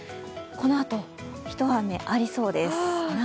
このあと、一雨ありそうです。